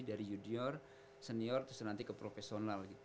dari junior senior terus nanti ke profesional gitu